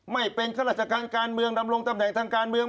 ไม่เป็นข้าราชการการเมืองดำรงตำแหน่งทางการเมือง